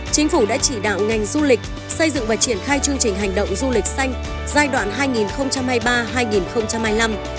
chính phủ đã chỉ đạo ngành du lịch xây dựng và triển khai chương trình hành động du lịch xanh giai đoạn hai nghìn hai mươi ba hai nghìn hai mươi năm